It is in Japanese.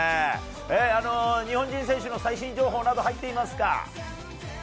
日本人選手の最新情報など入っていますか？